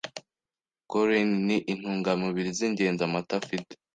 Choline, ni intungamubiri z’ingenzi amata afite,